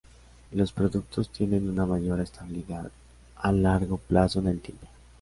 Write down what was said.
Los productos tienen una mayor estabilidad a largo plazo en el tiempo.